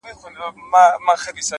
خدايه هغه داسي نه وه;